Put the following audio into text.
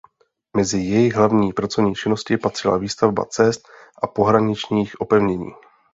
Mezi jejich hlavní pracovní činnosti patřila výstavba cest a pohraničních opevnění.